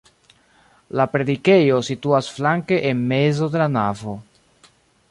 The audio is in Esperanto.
La predikejo situas flanke en mezo de la navo.